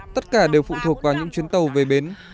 tất cả đều phụ thuộc vào những chuyến tàu về bến